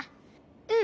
うん！